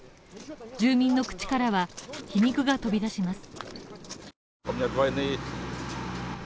住民の口からは皮肉が飛び出します。